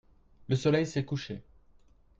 Le soleil s'est couché.